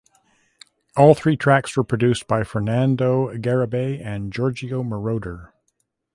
All three tracks were produced by Fernando Garibay and Giorgio Moroder.